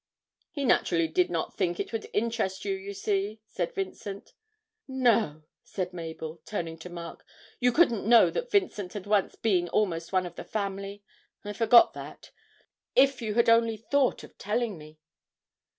'He naturally did not think it would interest you, you see,' said Vincent. 'No,' said Mabel, turning to Mark, 'you couldn't know that Vincent had once been almost one of the family; I forgot that. If you had only thought of telling me!'